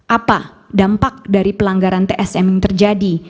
apa dampak dari pelanggaran tsm yang terjadi